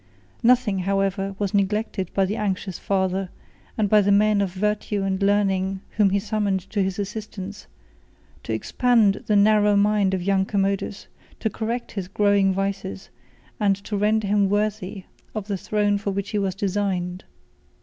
Nothing however, was neglected by the anxious father, and by the men of virtue and learning whom he summoned to his assistance, to expand the narrow mind of young Commodus, to correct his growing vices, and to render him worthy of the throne for which he was designed.